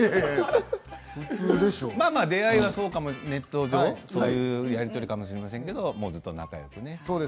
出会いはネット上そういうやり取りかもしれませんけどもうずっと仲よくね。